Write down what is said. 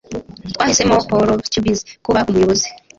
Twahisemo Paul Stubbs kuba umuyobozi